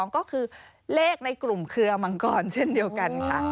ก็คือเลขในกลุ่มเครือมังกรเช่นเดียวกันค่ะ